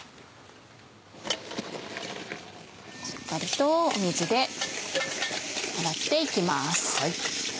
しっかりと水で洗って行きます。